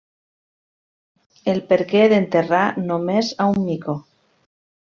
El perquè d'enterrar només a un mico.